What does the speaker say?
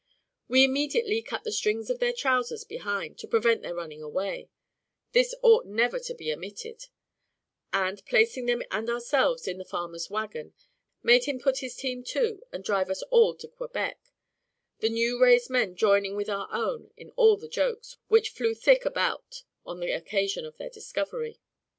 We immediately cut the strings of their trowsers behind, to prevent their running away, (this ought never to be omitted), and, placing them and ourselves in the farmer's waggon, made him put his team to and drive us all to Quebec, the new raised men joining with our own in all the jokes which flew thick about on the occasion of their discovery.